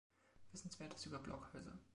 Wissenswertes über Blockhäuser